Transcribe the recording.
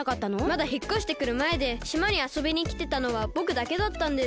まだひっこしてくるまえでしまにあそびにきてたのはぼくだけだったんです。